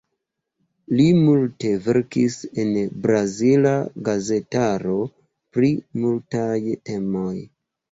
Li multe verkis en brazila gazetaro pri multaj temoj.